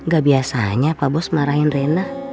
gak biasanya pak bos marahin rena